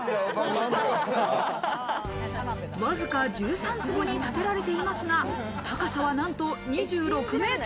わずか１３坪に建てられていますが、高さは、なんと２６ｍ。